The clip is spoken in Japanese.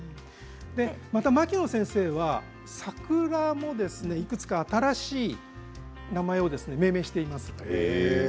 また、牧野先生は桜もいくつか新しい名前を命名しています。